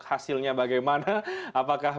hasilnya bagaimana apakah